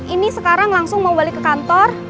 ini sekarang langsung mau balik ke kantor